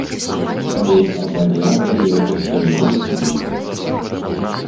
Мы абавязаныя падтрымаць іх.